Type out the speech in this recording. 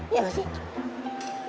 iya gak sih